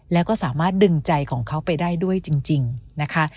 แล้วก็สามารถดึงใจของเขาไปได้ด้วยจริงนะคะ